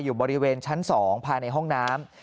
อยู่บริเวณชั้น๒ภายในห้องน้ำ